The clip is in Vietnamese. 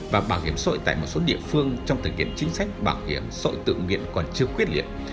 và bảo hiểm sội tại một số địa phương trong thời kiện chính sách bảo hiểm sội tự nguyện còn chưa quyết liệt